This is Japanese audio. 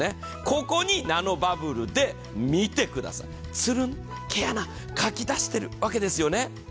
ここにナノバブルで、見てください、つるん、毛穴、かき出しているわけですよね